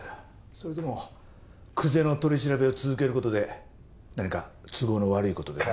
それとも久瀬の取り調べを続ける事で何か都合の悪い事でも？